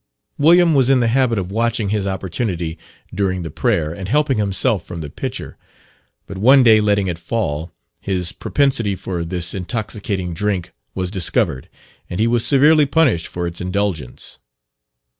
William was in the habit of watching his opportunity during the prayer and helping himself from the pitcher, but one day letting it fall, his propensity for this intoxicating drink was discovered, and he was severely punished for its indulgence.